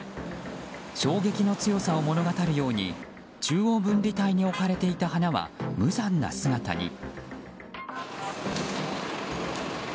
衝撃の強さを物語るように中央分離帯に置かれていた花は無残な姿に。